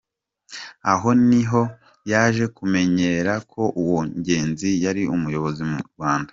Aho ni ho yaje kumenyera ko uwo Ngenzi yari umuyobozi mu Rwanda.